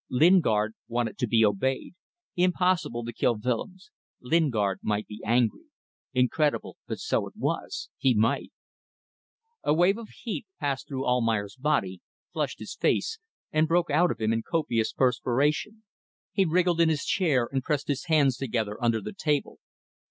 Lingard wanted to be obeyed. Impossible to kill Willems. Lingard might be angry. Incredible, but so it was. He might ... A wave of heat passed through Almayer's body, flushed his face, and broke out of him in copious perspiration. He wriggled in his chair, and pressed his hands together under the table.